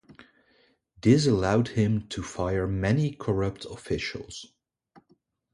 This allowed him to fire many corrupt officials.